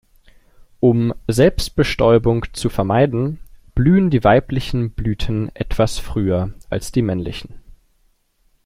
Um Selbstbestäubung zu vermeiden, blühen die weiblichen Blüten etwas früher als die männlichen.